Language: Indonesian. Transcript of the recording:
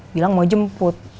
bilang mau jemput